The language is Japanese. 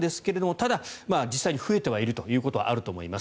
ただ、実際に増えているということはあると思います。